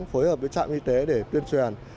phối hợp với trạm y tế để tuyên truyền